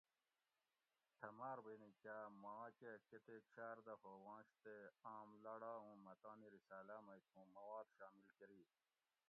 تھۤہ ماربینی کاۤ مھاکہ کۤتیک شاۤردہ ہووانش تے آم لاڑا اُوں مۤہ تانی رِساۤلاۤ مئی تُھوں مواد شامل کۤری